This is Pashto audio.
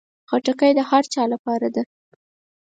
خټکی د هر چا لپاره ده.